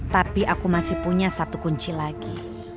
tapi aku masih punya satu kunci lagi